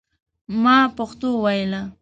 ما پښتو ویله.